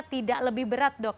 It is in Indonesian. tidak lebih berat dok